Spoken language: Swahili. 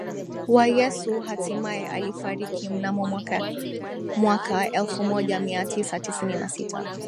wa yesu Hatimae alifariki mnamo mwaka mwaka elfumoja miatisa tisini na sita